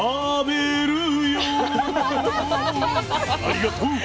ありがとう！